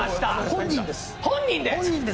本人です！